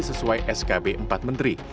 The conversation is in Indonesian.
sesuai skb empat menteri